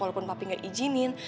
walaupun papi gak izinin